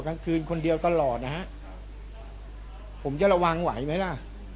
กลางคืนคนเดียวตลอดนะฮะผมจะระวังไหวไหมล่ะ